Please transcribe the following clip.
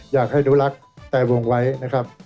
อยากให้อนุรักษ์แต่วงไว้นะครับ